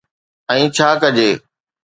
۽ ڇا ڪجي؟